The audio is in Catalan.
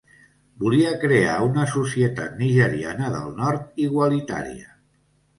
Volia crear una societat nigeriana del Nord igualitària.